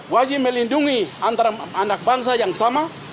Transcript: wajib melindungi antara anak bangsa yang sama